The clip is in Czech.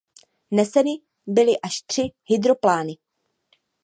Neseny byly až tři hydroplány.